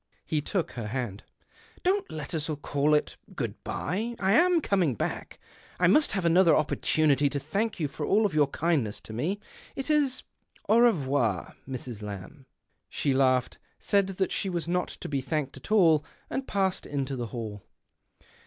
He took her hand. " Don't let us call it good bye. I am coming back. I must have another opportunity to thank you for all your kindness to me. It is an revoir, Mrs. Lamb." She laughed, said that she was not to be thanked at all, and passed into the hall.